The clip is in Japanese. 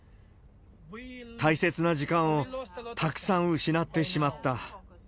大切な時間をたくさん失ってしまった。